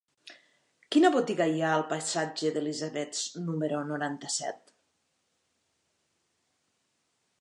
Quina botiga hi ha al passatge d'Elisabets número noranta-set?